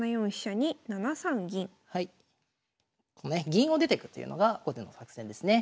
銀を出てくというのが後手の作戦ですね。